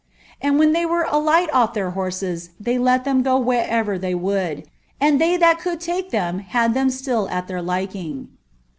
And when they were alight off their hotaca they let there go wherever they would, and they that could take them hu iheLn still at their liking."